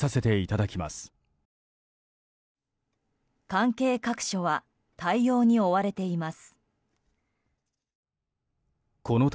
関係各所は対応に追われています。